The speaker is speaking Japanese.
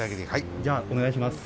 じゃあ、お願いします。